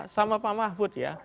sama pak mahfud ya